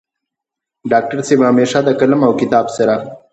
ډاکټر صيب همېشه د قلم او کتاب سره